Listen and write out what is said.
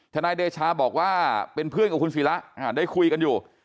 นายเดชาบอกว่าเป็นเพื่อนกับคุณศิระได้คุยกันอยู่